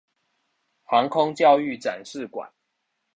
航空教育展示館